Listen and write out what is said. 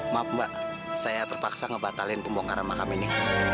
maaf mbak saya terpaksa ngebatalin pembongkaran makam ini